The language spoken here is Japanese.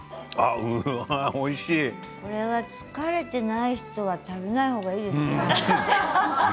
これは疲れていない人は食べない方がいいですね。